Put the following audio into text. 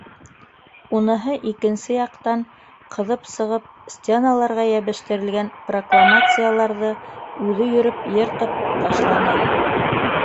Уныһы икенсе яҡтан ҡыҙып сығып, стеналарға йәбештерелгән прокламацияларҙы үҙе йөрөп йыртып ташланы.